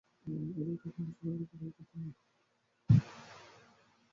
ওই লোকটা কোনোকিছুর ব্যাপারে পরোয়া করত না।